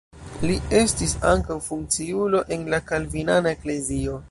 Li estis ankaŭ funkciulo en la kalvinana eklezio.